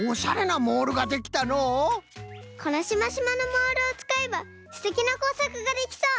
このシマシマのモールをつかえばすてきなこうさくができそう！